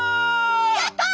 やった！